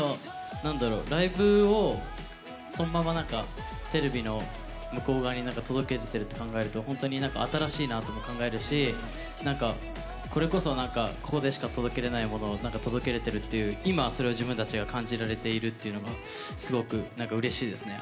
ライブをそのまま、なんかテレビの向こう側に届けれてるって考えると本当に新しいなとか考えるしこれこそ、ここでしか届けれないものを届けれてるっていう今、それを自分たちが感じられているっていうのがすごくうれしいですね。